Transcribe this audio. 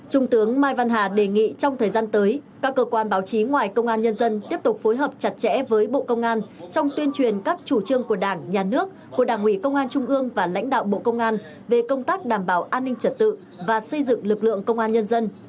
trung tướng mai văn hà đề nghị trong thời gian tới các cơ quan báo chí ngoài công an nhân dân tiếp tục phối hợp chặt chẽ với bộ công an trong tuyên truyền các chủ trương của đảng nhà nước của đảng ủy công an trung ương và lãnh đạo bộ công an về công tác đảm bảo an ninh trật tự và xây dựng lực lượng công an nhân dân